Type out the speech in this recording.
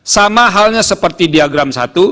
sama halnya seperti diagram satu